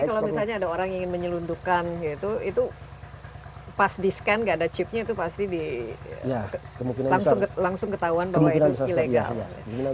jadi kalau misalnya ada orang yang ingin menyelundukan gitu itu pas di scan nggak ada chipnya itu pasti langsung ketahuan bahwa itu ilegal